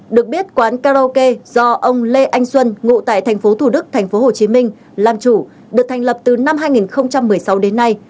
được biết quán karaoke do ông lê anh xuân ngụ tại thành phố thủ đức thành phố hồ chí minh làm chủ được thành lập từ năm hai nghìn một mươi sáu đến nay